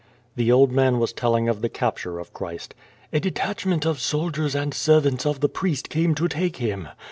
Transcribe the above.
The old man was telling of the capture of Christ. "A de tachment of soldiers and servants of the priests came to take him.